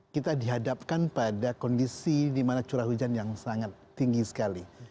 kita dihadapkan pada kondisi di mana curah hujan yang sangat tinggi sekali